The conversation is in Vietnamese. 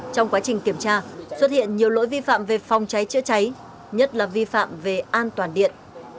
trong quá trình kiểm tra xuất hiện nhiều lỗi vi phạm về phòng cháy chữa cháy nhất là vi phạm về an toàn điện